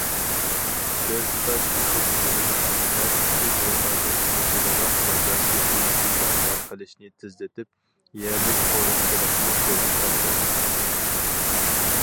بىرتۇتاش ئېچىۋېتىلىدىغان، تەرتىپلىك رىقابەتلىشىدىغان بازار سىستېمىسى بەرپا قىلىشنى تېزلىتىپ، يەرلىك قورۇقچىلىقنى بۇزۇپ تاشلايمىز.